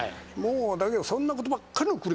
だけどそんなことばっかりの繰り返し。